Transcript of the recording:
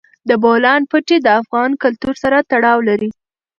د بولان پټي د افغان کلتور سره تړاو لري.